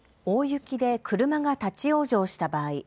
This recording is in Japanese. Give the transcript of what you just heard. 大雪で車が立往生した場合。